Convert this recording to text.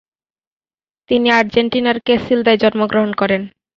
তিনি আর্জেন্টিনার ক্যাসিলদায় জন্মগ্রহণ করেন।